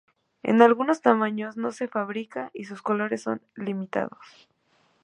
En algunos tamaños no se fabrica y sus colores son limitados.